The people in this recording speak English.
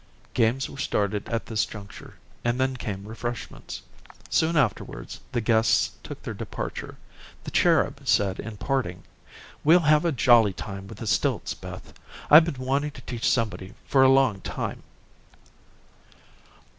Games were started at this juncture, and then came refreshments. Soon afterwards, the guests took their departure. The "Cherub" said in parting: "We'll have a jolly time with the stilts, Beth. I've been wanting to teach somebody for a long time."